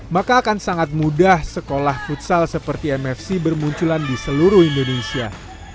maka akan sangat mudah sekolah futsal seperti mfc bermunculan di seluruh indonesia